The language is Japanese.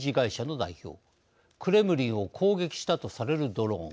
クレムリンを攻撃したとされるドローン。